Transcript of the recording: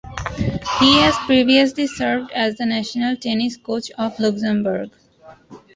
He has previously served as the national tennis coach of Luxembourg.